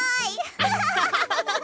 ハハハハ。